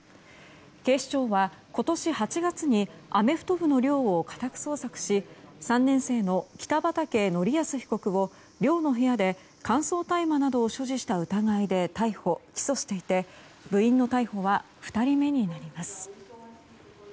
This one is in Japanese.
警視庁は今年８月にアメフト部の寮を家宅捜索し３年生の北畠成文被告を寮の部屋で乾燥大麻などを所持した疑いで逮捕・起訴していて部員の逮捕は２人目になります。